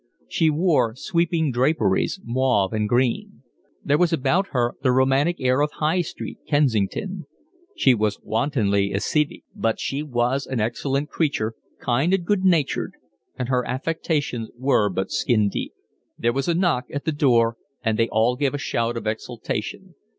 She wore sweeping draperies, mauve and green. There was about her the romantic air of High Street, Kensington. She was wantonly aesthetic; but she was an excellent creature, kind and good natured; and her affectations were but skin deep. There was a knock at the door, and they all gave a shout of exultation.